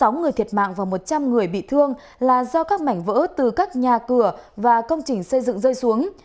sáu người thiệt mạng và một trăm linh người bị thương là do các mảnh vỡ từ các nhà cửa và công trình xây dựng rơi xuống